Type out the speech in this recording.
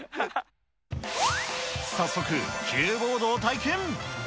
早速、キューボードを体験。